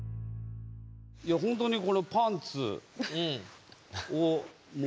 いやほんとにこのパンツをもうまんま。